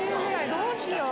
どうしよう。